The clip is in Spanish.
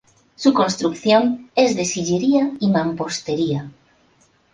Su construcción es de sillería y mampostería.